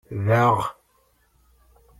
Daɣ?!